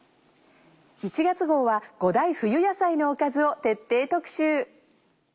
１月号は５大冬野菜のおかずを徹底特集。